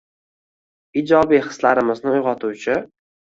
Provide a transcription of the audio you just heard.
ijobiy hislarimizni uyg‘otuvchi